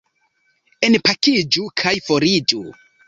Enpakiĝu kaj foriĝu.